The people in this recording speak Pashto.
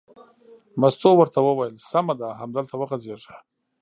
مستو ورته وویل: سمه ده همدلته وغځېږه.